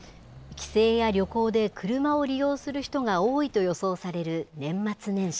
帰省や旅行で車を利用する人が多いと予想される年末年始。